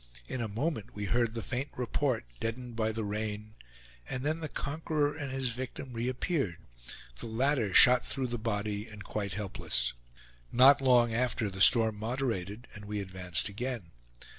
In a moment we heard the faint report, deadened by the rain, and then the conqueror and his victim reappeared, the latter shot through the body, and quite helpless. Not long after the storm moderated and we advanced again.